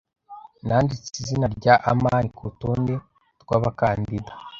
Nanditse izina rya amani kurutonde rwabakandida.